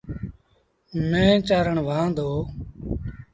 مينهن چآرڻ وهآن دو۔